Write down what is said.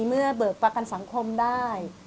เมื่อเบิกประกันสังคมได้